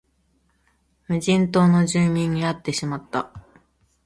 無人島の住民に会ってしまった